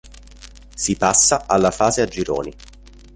Si passa alla fase a gironi.